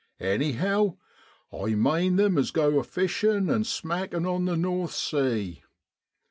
Anyhow, I mane them as go a fishin' an' smackin' on the North Sea.